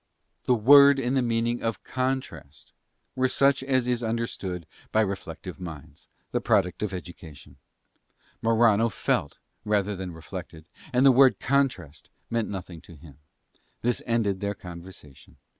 The word and the meaning of CONTRAST were such as is understood by reflective minds, the product of education. Morano felt rather than reflected; and the word CONTRAST meant nothing to him. This ended their conversation.